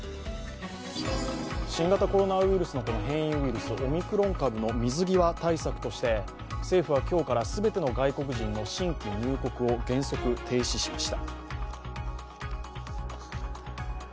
新型コロナウイルスなどの変異ウイルス、オミクロン株の水際対策として政府は今日から全ての外国人の新規入国を原則停止しました。